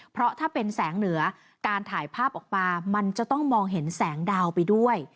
เพราะถ้าเป็นแสงเหนือการถ่ายภาพออกมามันจะต้องมองเห็นแสงดาวไปด้วย